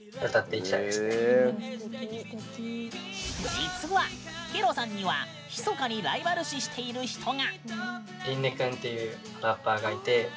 実は、けろさんにはひそかにライバル視している人が。